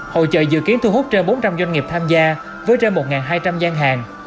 hội trợ dự kiến thu hút trên bốn trăm linh doanh nghiệp tham gia với trên một hai trăm linh gian hàng